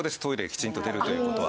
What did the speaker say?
きちんと出るという事は。